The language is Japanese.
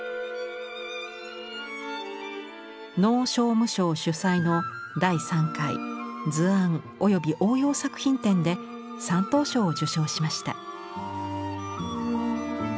農商務省主催の第３回図案及応用作品展で３等賞を受賞しました。